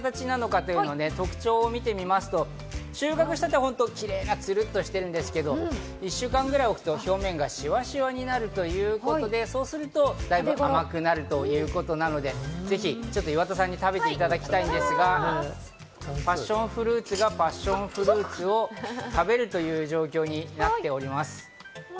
どういう形なのかというので特徴を見てみますと、収穫したてはキレイなツルっとしてるんですけど、１週間ぐらいおくと表面がシワシワになるということで、そうするとだいぶ甘くなるということなので、岩田さんに食べていただきたいんですが、パッションフルーツがパッションフルーツを食べるという状況になっております。